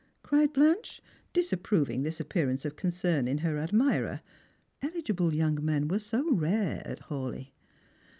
cried Blanche, disapproving this appearance of concern in her admirer — eligible young men were so rare at Hawleigh.